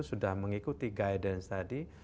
sudah mengikuti guidance tadi